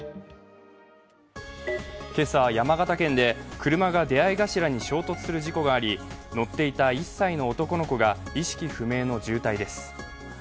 今朝、山形県で車が出会い頭に衝突する事故があり乗っていた１歳の男の子が意識不明の重体です。